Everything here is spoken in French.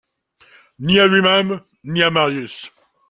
Ni à lui-même, ni à Marius.